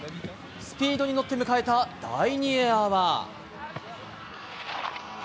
スピードに乗って迎えた第２エアは。